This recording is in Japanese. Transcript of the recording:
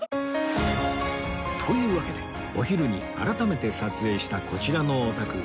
というわけでお昼に改めて撮影したこちらのお宅